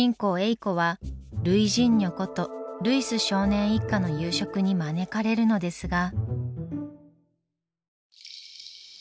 いこはルイジンニョことルイス少年一家の夕食に招かれるのですが。